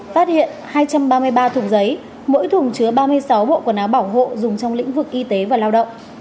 phát hiện hai trăm ba mươi ba thùng giấy mỗi thùng chứa ba mươi sáu bộ quần áo bảo hộ dùng trong lĩnh vực y tế và lao động